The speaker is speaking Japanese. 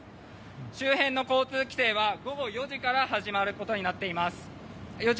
周辺の交通規制は午後４時から始まっています。